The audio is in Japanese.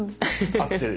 合ってる。